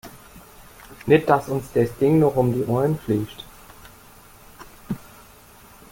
Nicht, dass uns das Ding noch um die Ohren fliegt.